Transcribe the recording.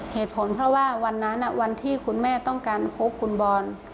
เหตุผลเพราะว่าวันนั้นวันที่คุณแม่ต้องการพบคุณบอล